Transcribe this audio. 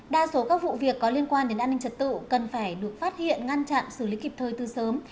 đa số các vụ việc có liên quan đến an ninh trật tự cần phải được phát hiện ngăn chặn xử lý kịp thời từ sớm